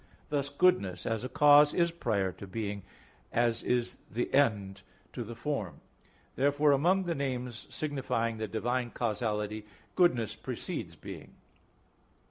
Thus goodness, as a cause, is prior to being, as is the end to the form. Therefore among the names signifying the divine causality, goodness precedes being.